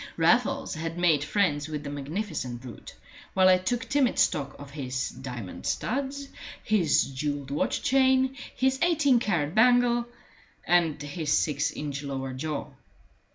Raffles had made friends with the magnificent brute, while I took timid stock of his diamond studs, his jewelled watch chain, his eighteen carat bangle, and his six inch lower jaw.